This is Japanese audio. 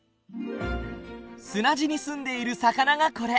砂地に住んでいる魚がこれ。